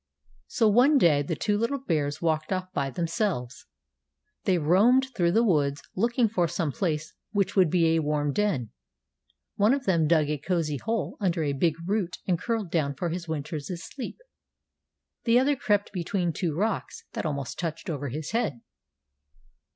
So one day the two little bears walked off by themselves. They roamed through the woods, looking for some place which would be a warm den. One of them dug a cosy hole under a big root and curled down for his winter's sleep. The other crept between two rocks that almost touched over his head.